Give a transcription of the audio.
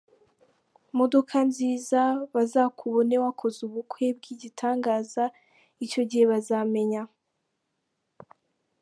modoka nziza, bazakubone wakoze ubukwe bwigitangaza, icyo gihe bazamenya .